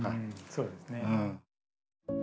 そうですね。